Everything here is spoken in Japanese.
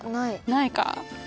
ないか。